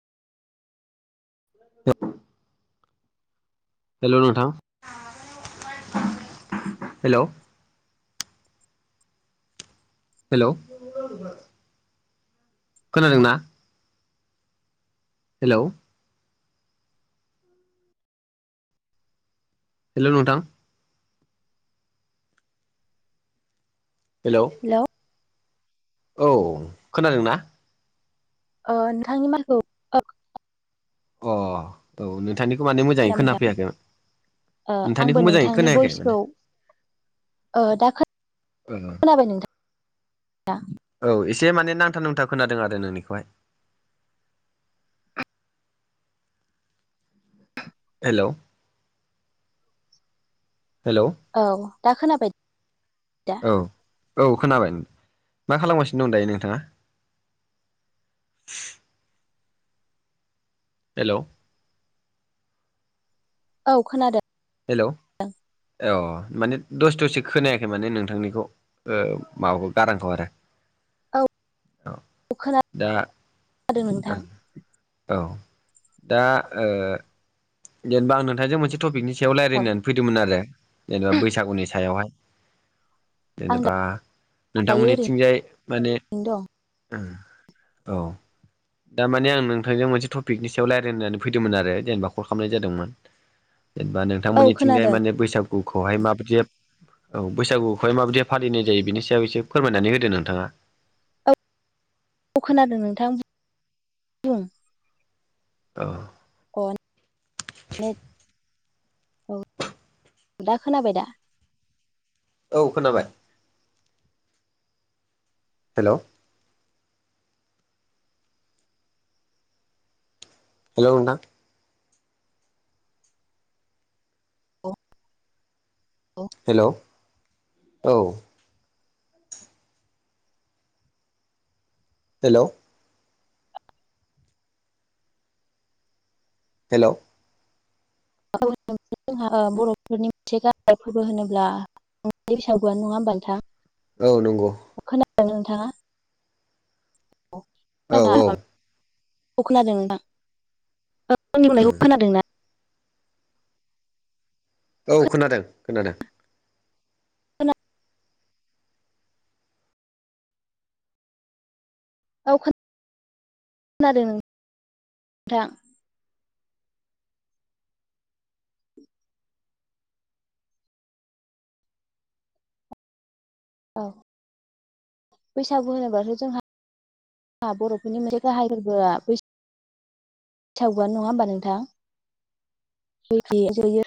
Hello नोंथां hello hello खोनादोंना? Hello hello नोंथां हेलौ हेलौ औ खोनादोंना? ओ नोंथांनि माथोखौ अ औ नोंथांनि माने मोजाङै खोनाबाय नोंथां खोनाफैयाखै, ओ आंबो नोंथांनिखौ मोजाङै नोंथांनि खोनायाखै भइसखौ माने। ओ दा खोनाबाय नोंथां दा औ एसे माने नांथा नुंथा खोनादों आरो नोंनिखौहाय। हेलौ हेलौ औ दा खोनाबाय? दा औ औ खोनाबाय। मा खालामगासिनो दं दायो नोंथाङा? हेलौ औ खोनादो। हेलौ औ माने दसे दसे खोनायाखै माने नोंथांनिखौ। ओ माबाखौ गारांखौ आरो। औ औ खोनादों दा ओ नोंथां औ दा ओ जेनेबा आं नोंथांजों मोनसे टपिकनि सयाव औ लारायनो फैदोंमोन आरो जेनेबा बैसागुनि सायावहाय आं जेनेबा दायो नोंथांमोननिथिंजाय माने ओरैनो दं उम औ दा माने आं नोंथांजों मोनसे टपिकनि सायाव लायरायनो होननानै फैदोंमोन आरो जेनेबा कल खामनाय जादोंमोन जेनेबा औ नोंथांमोननिथिंजाय खोनादों माने बैसागुखौहाय माबादियै औ बैसागुखौहाय माबायदि फालिनाय जायो बेनि सायाव एसे फोरमायनानै होदो नोंथाङा। औ खोनादों नोंथां बुं। औ अ नेट औ दा खोनाबाय दा? औ खोनाबाय। हेलौ हेलौ नोंथां औ [inaudible] हेल' औ। हेलौ हेलौ [unintelligible] बर'फोरनि [unintelligible] होनोब्ला बैसागुआनो नङा होमबा नोंथां औ नंगो। खोनादों नोंथाङा? [unintelligible] औ औ औ खोनादों नोंथां औ आंनि बुंनायखौ खोनादों ना औ खोनादों खोनादों। [unintelligible] औ बैसागु होनोबाथ जोंहा आ बर'फोरनि मोनसे गाहाय फोरबोआ बैसा बैसागुआनो नङा होमबा नोंथां [unintelligible] जोयो।